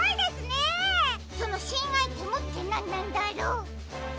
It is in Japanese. そのしんアイテムってなんなんだろう？